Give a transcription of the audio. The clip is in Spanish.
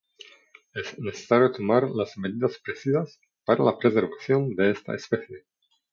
Es necesario tomar las medidas precisas para la preservación de esta especie.